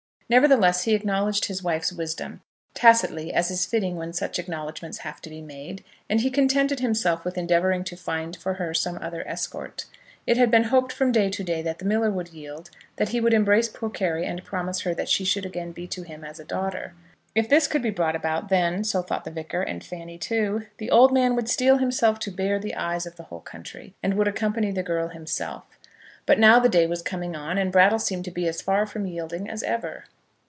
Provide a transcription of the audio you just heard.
Nevertheless, he acknowledged his wife's wisdom, tacitly, as is fitting when such acknowledgments have to be made; and he contented himself with endeavouring to find for her some other escort. It had been hoped from day to day that the miller would yield, that he would embrace poor Carry, and promise her that she should again be to him as a daughter. If this could be brought about, then, so thought the Vicar and Fanny too, the old man would steel himself to bear the eyes of the whole county, and would accompany the girl himself. But now the day was coming on, and Brattle seemed to be as far from yielding as ever.